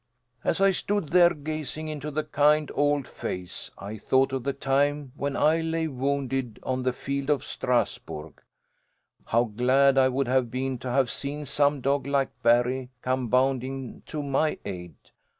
"As I stood there gazing into the kind old face, I thought of the time when I lay wounded on the field of Strasburg. How glad I would have been to have seen some dog like Barry come bounding to my aid!